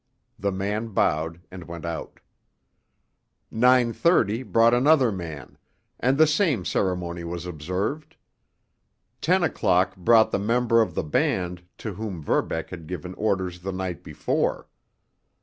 The man bowed and went out. Nine thirty brought another man, and the same ceremony was observed. Ten o'clock brought the member of the band to whom Verbeck had given orders the night before.